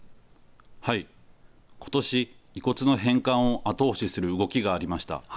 ことし、遺骨の返還を後押しする動きがありました。